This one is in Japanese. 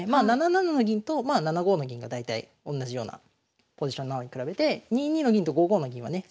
７七の銀と７五の銀が大体おんなじようなポジションなのに比べて２二の銀と５五の銀はね